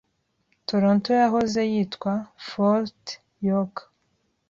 Toronto yahoze yitwa Fort York.